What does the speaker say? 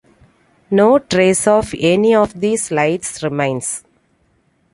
No trace of any of these lights remains.